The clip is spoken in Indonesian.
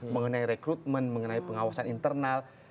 mengenai rekrutmen mengenai pengawasan internal